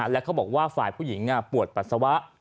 และเขาบอกว่าฝ่ายผู้หญิงปวดปัสสาวะ